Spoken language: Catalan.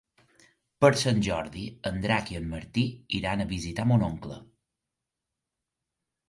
Per Sant Jordi en Drac i en Martí iran a visitar mon oncle.